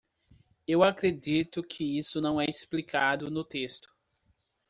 Eu acredito que isso não é explicado no texto.